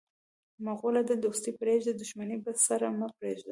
مقوله ده: دوستي پرېږده، دښمني په سر مه پرېږده.